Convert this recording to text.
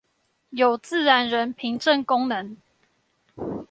有自然人憑證功能